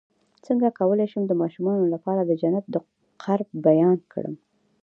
څنګه کولی شم د ماشومانو لپاره د جنت د قرب بیان کړم